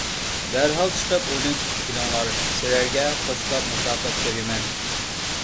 دەرھال چىقىپ ئۇنى تۇتۇپ كېلىڭلار. سىلەرگە قوشلاپ مۇكاپات بېرىمەن.